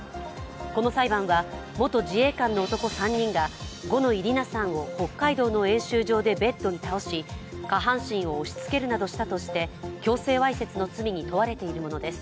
この裁判は、元自衛官の男３人が五ノ井里奈さんを北海道の演習場でベッドに倒し、下半身を押しつけるなどしたとして強制わいせつの罪に問われているものです。